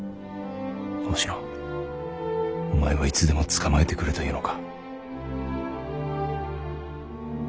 おしのお前はいつでも捕まえてくれというのか。